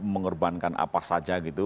mengorbankan apa saja gitu